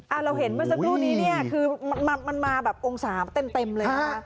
อ่าเราเห็นเมื่อสักรูปนี้เนี้ยคือมันมันมันมาแบบองศาเต็มเต็มเลยค่ะ